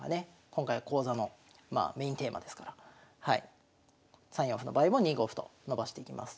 今回講座のまあメインテーマですから３四歩の場合も２五歩と伸ばしていきます。